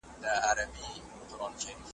نه د چا په زړه کي رحم، نه زړه سوی وو .